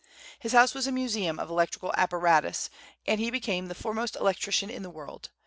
His house was a museum of electrical apparatus, and he became the foremost electrician in the world.